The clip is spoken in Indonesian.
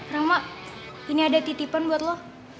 rama ini ada titipan buat lo